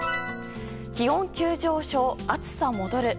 気温急上昇、暑さ戻る。